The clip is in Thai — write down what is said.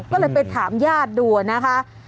ก็เลยไปถามญาติดูนะคะ